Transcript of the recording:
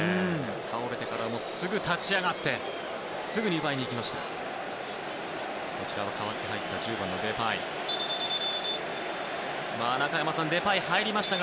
倒れてからもすぐに立ち上がってすぐに奪いにいきました。